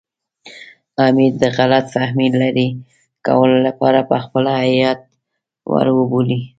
امیر به د غلط فهمۍ لرې کولو لپاره پخپله هیات ور وبولي.